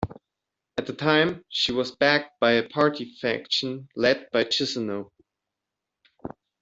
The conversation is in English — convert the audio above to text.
At the time, she was backed by a party faction led by Chissano.